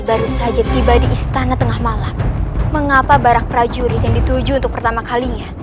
baru saja tiba di istana tengah malam mengapa barak prajurit yang dituju untuk pertama kalinya